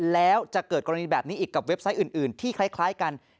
แล้วจะเกิดกรณีแบบนี้อีกกับเว็บไซต์อื่นที่คล้ายกัน